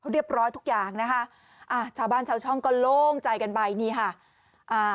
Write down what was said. เรียบร้อยทุกอย่างนะคะอ่าชาวบ้านชาวช่องก็โล่งใจกันไปนี่ค่ะอ่า